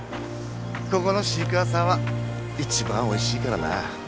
ここのシークワーサーは一番おいしいからな。